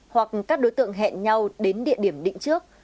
hoặc các đối tượng hẹn nhau đến địa điểm định trước